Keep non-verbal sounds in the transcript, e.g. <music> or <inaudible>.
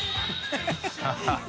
ハハハ <laughs>